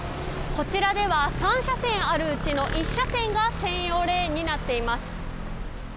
こちらでは３車線あるうちの１車線が専用レーンになっています。